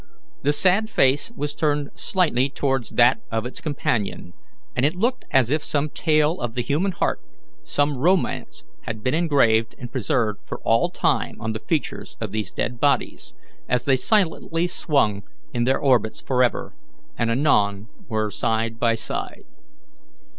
The sad face was turned slightly towards that of its companion, and it looked as if some tale of the human heart, some romance, had been engraved and preserved for all time on the features of these dead bodies, as they silently swung in their orbits forever and anon were side by side.